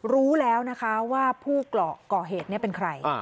รู้แล้วนะคะว่าผู้ก่อเหตุเป็นใคร